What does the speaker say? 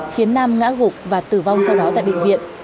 khiến nam ngã gục và tử vong sau đó tại bệnh viện